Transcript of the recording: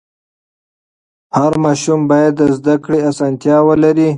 هر ماشوم باید د زده کړې اسانتیا ولري.